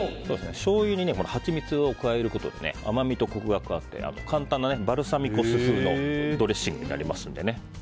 しょうゆにハチミツを加えることで甘みとコクが加わって簡単なバルサミコ酢風のドレッシングになります。